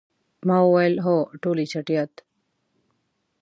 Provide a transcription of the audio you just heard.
ما وویل، هو، ټولې چټیات.